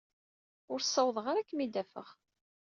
Ur ssawḍeɣ ara ad kem-id-afeɣ.